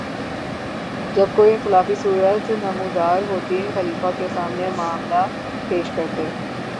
جب کوئی اختلافی صورت نمودار ہوتی، خلیفہ کے سامنے معاملہ پیش کرتے